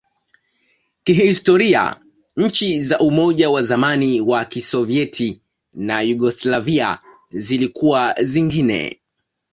Kihistoria, nchi za Umoja wa zamani wa Kisovyeti na Yugoslavia zilikuwa zingine.